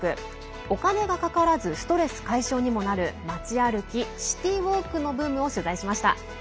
お金がかからずストレス解消にもなる街歩きシティーウォークのブームを取材しました。